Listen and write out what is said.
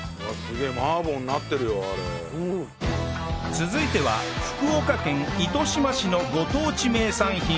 続いては福岡県糸島市のご当地名産品